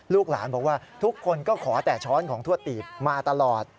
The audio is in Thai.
ลูกหลานบอกว่าทุกคนก็ขอแต่ช้อนของทวดตีบมาตลอด